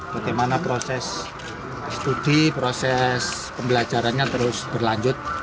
bagaimana proses studi proses pembelajarannya terus berlanjut